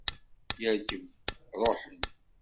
Yerkeb, ruḥen.